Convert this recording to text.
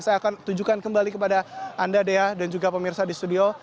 saya akan tunjukkan kembali kepada anda dea dan juga pemirsa di studio